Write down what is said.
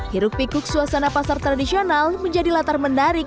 hiruk pikuk suasana pasar tradisional menjadi latar menarik